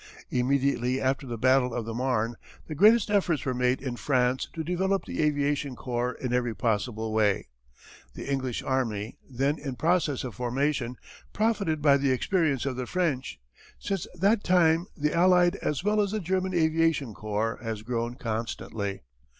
"Immediately after the battle of the Marne the greatest efforts were made in France to develop the aviation corps in every possible way. The English army, then in process of formation, profited by the experience of the French. Since that time the allied as well as the German aviation corps has grown constantly.